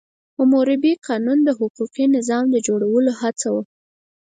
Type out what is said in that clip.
حموربي قانون د حقوقي نظام د جوړولو هڅه وه.